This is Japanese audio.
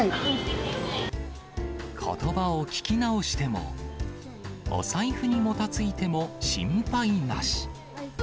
ことばを聞き直しても、お財布にもたついても、心配なし。